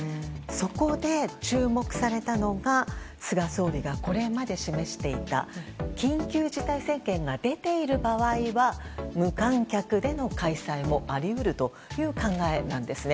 そこで、注目されたのが菅総理がこれまで示していた緊急事態宣言が出ている場合は無観客での開催もあり得るという考えなんですね。